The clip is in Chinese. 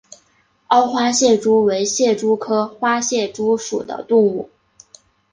凹花蟹蛛为蟹蛛科花蟹蛛属的动物。